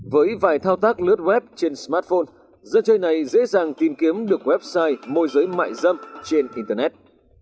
với vài thao tác lướt web trên smartphone dân chơi này dễ dàng tìm kiếm được website môi giới mại dâm trên internet